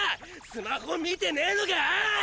スマホ見てねのかあ！？